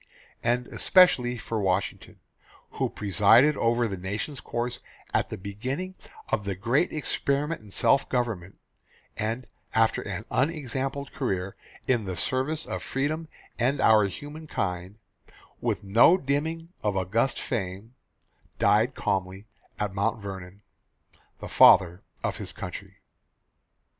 And especially for Washington, who presided over the nation's course at the beginning of the great experiment in self government and, after an unexampled career in the service of freedom and our humankind, with no dimming of august fame, died calmly at Mount Vernon the Father of his Country.